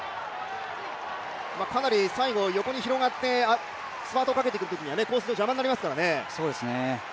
かなり最後、横に広がってスパートをかけてくるときにはコース上、邪魔になりますのでね。